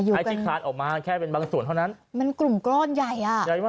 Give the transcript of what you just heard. ให้ชิดคล้านออกมาแค่เป็นบางส่วนเท่านั้นมันกลุ่มกล้อนใหญ่